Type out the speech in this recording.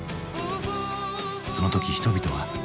その時人々は？